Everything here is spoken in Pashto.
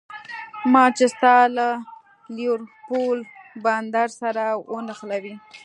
مانچسټر له لېورپول بندر سره ونښلوي.